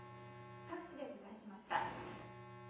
各地で取材しました。